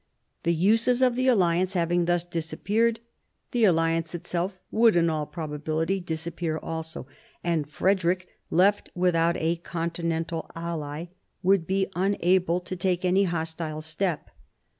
The uses of the alliance having thus disappeared, the alliance itself would in all probability disappear also, and Frederick, left without a continental ally, would be unable to take any hostile step.